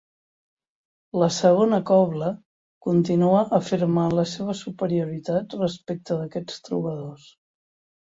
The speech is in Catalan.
La segona cobla continua afirmant la seva superioritat respecte d'aquests trobadors.